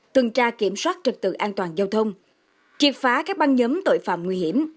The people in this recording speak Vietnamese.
tuần tra kiểm soát trật tự an toàn giao thông triệt phá các băng nhóm tội phạm nguy hiểm